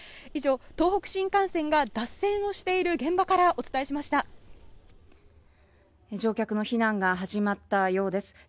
以上、東北新幹線が脱線をしている現場から乗客の避難が始まったようです。